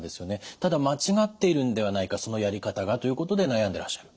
ただ間違っているんではないかそのやり方がということで悩んでらっしゃる。